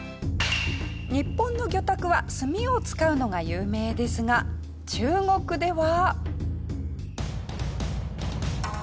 日本の魚拓は墨を使うのが有名ですが中国では。